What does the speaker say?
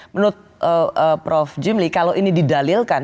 menurut prof jimli kalau ini didalilkan